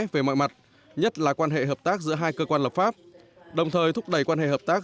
về mọi mặt nhất là quan hệ hợp tác giữa hai cơ quan lập pháp đồng thời thúc đẩy quan hệ hợp tác